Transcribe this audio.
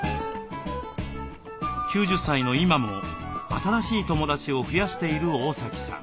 ９０歳の今も新しい友だちを増やしている大崎さん。